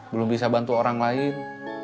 belum bisa bantu orang lain